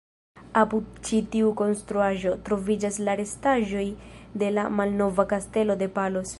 Apud ĉi tiu konstruaĵo, troviĝas la restaĵoj de la malnova kastelo de Palos.